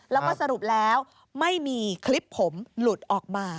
แล้วก็สรุปแล้วไม่มีคลิปผมหลุดออกมา